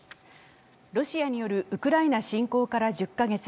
ロシアによるウクライナ侵攻から１０か月。